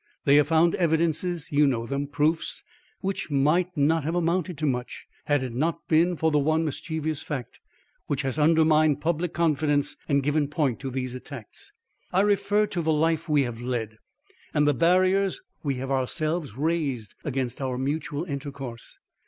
They have found evidences you know them; proofs which might not have amounted to much had it not been for the one mischievous fact which has undermined public confidence and given point to these attacks. I refer to the life we have led and the barriers we have ourselves raised against our mutual intercourse.